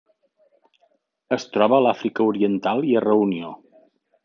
Es troba a l'Àfrica Oriental i a Reunió.